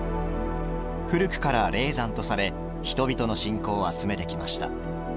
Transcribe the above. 古くから霊山とされ人々の信仰を集めてきました。